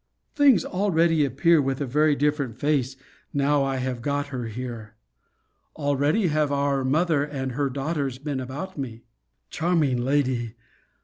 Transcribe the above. Things already appear with a very different face now I have got her here. Already have our mother and her daughters been about me: 'Charming lady!